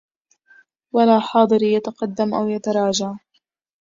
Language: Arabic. ولا حاضري يتقدِّمُ أَو يتراجَعُ